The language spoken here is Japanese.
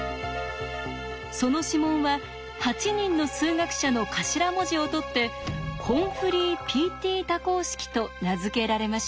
その指紋は８人の数学者の頭文字をとってＨＯＭＦＬＹＰＴ多項式と名付けられました。